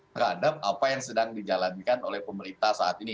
terhadap apa yang sedang dijalankan oleh pemerintah saat ini